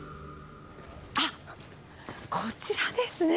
あっ、こちらですね。